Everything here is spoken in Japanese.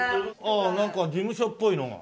ああなんか事務所っぽいのが。